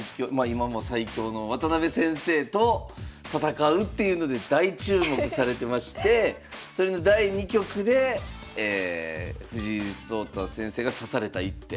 今も最強の渡辺先生と戦うっていうので大注目されてましてそれの第２局で藤井聡太先生が指された一手。